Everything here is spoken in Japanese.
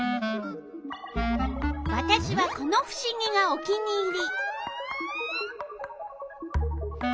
わたしはこのふしぎがお気に入り！